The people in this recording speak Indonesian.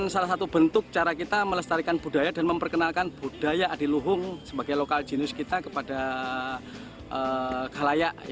salah satu bentuk cara kita melestarikan budaya dan memperkenalkan budaya adiluhung sebagai lokal jenis kita kepada kalayak